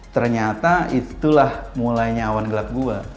ternyata itulah mulainya awan gelap gua